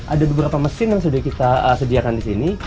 ada beberapa mesin yang sudah kita sediakan di sini